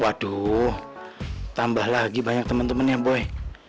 waduh tambah lagi banyak temen temennya boy